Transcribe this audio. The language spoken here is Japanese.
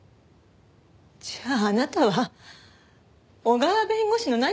じゃああなたは小川弁護士の何を知ってたの？